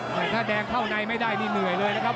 แต่ถ้าแดงเข้าในไม่ได้นี่เหนื่อยเลยนะครับ